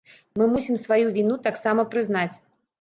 Мы мусім сваю віну таксама прызнаць.